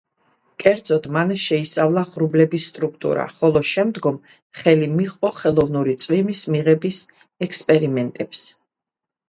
კერძოდ მან შეისწავლა ღრუბლების სტრუქტურა, ხოლო შემდგომ ხელი მიჰყო ხელოვნური წვიმის მიღების ექსპერიმენტებს.